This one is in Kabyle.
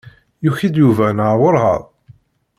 Yuki-d Yuba neɣ werɛad?